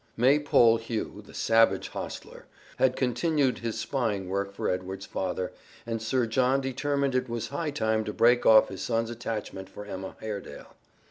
Maypole Hugh, the savage hostler, had continued his spying work for Edward's father, and Sir John determined it was high time to break off his son's attachment for Emma Haredale.